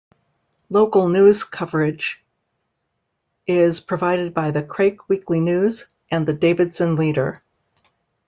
Local news coverage is provided by the "Craik Weekly News" and the "Davidson Leader".